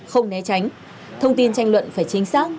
không né tránh thông tin tranh luận phải chính xác